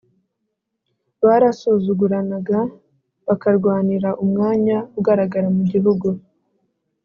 barasuzuguranaga, bakarwanira umwanya ugaragara mu gihugu